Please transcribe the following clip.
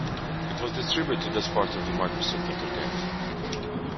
It was distributed as part of the Microsoft Entertainment Pack.